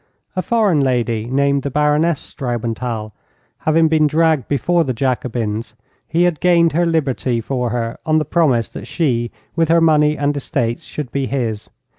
A foreign lady named the Baroness Straubenthal having been dragged before the Jacobins, he had gained her liberty for her on the promise that she with her money and estates should be his.